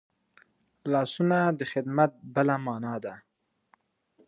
لاسونه د خدمت بله مانا ده